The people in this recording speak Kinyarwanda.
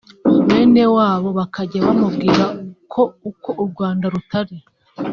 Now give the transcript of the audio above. bene wabo bakajya bamubwira ko uko u Rwanda rutari